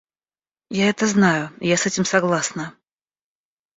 Я это знаю, я с этим согласна.